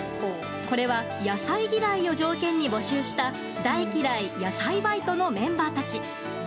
これは野菜嫌いを条件に募集しただいきらい野菜バイトのメンバーたち。